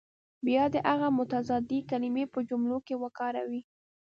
بیا دې هغه متضادې کلمې په جملو کې وکاروي.